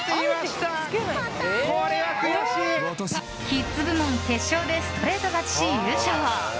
キッズ部門決勝でストレート勝ちし優勝。